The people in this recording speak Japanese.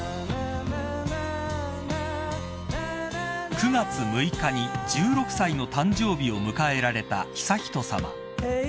［９月６日に１６歳の誕生日を迎えられた悠仁さま］